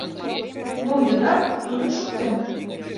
Мом йодат, тудым шуктем!